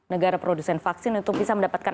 negara produsen vaksin untuk bisa mendapatkan